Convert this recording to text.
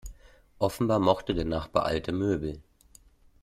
Offenbar mochte der Nachbar alte Möbel.